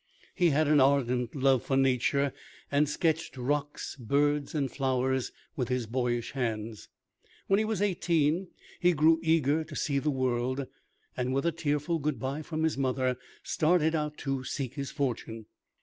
He had an ardent love for nature, and sketched rocks, birds, and flowers with his boyish hands. When he was eighteen, he grew eager to see the world, and, with a tearful good by from his mother, started out to seek his fortune.